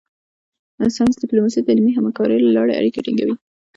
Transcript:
ساینس ډیپلوماسي د علمي همکاریو له لارې اړیکې ټینګوي